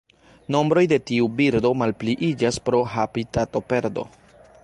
Nombroj de tiu birdo malpliiĝas pro habitatoperdo.